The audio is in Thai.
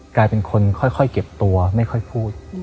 กลายเป็นคนค่อยเก็บตัวไม่ค่อยพูด